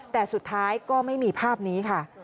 แต่สุดท้ายก็ไม่มีภาพนี้ค่ะ